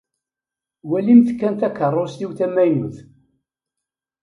Walimt kan takeṛṛust-iw tamaynut.